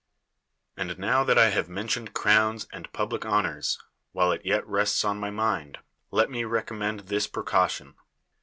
And now that I have mentioned crowns and public honors, while it yet rests on my ni'iid. let me recommend this precaution.